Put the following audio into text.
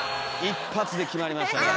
一発で決まりましたね。